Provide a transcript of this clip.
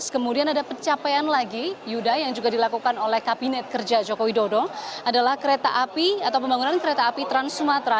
kemudian ada pencapaian lagi yuda yang juga dilakukan oleh kabinet kerja joko widodo adalah kereta api atau pembangunan kereta api trans sumatera